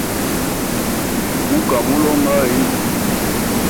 Gu ka mulongʼayi?